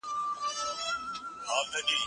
دا کالي له هغو پاک دي؟!